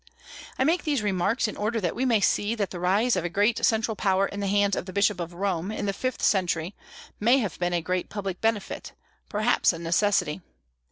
I make these remarks in order that we may see that the rise of a great central power in the hands of the Bishop of Rome, in the fifth century, may have been a great public benefit, perhaps a necessity.